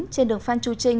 trên đường phan chu trinh